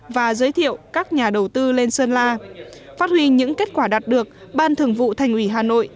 và giới thiệu các nhà đầu tư lên sơn la phát huy những kết quả đạt được ban thường vụ thành ủy hà nội